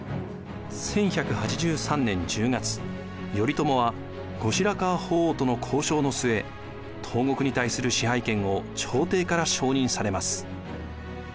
１１８３年１０月頼朝は後白河法皇との交渉の末東国に対する支配権を朝廷から承認されます。